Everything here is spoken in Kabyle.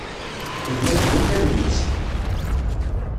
Tebna deg wakal-nnes.